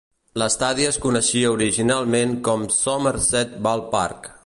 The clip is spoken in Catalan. L'estadi es coneixia originalment com Somerset Ballpark.